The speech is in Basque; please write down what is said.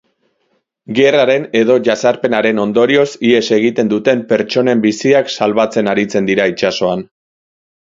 Gerraren edo jazarpenaren ondorioz ihes egiten duten pertsonen biziak salbatzen aritzen dira itsasoan.